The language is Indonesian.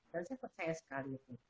dan saya percaya sekali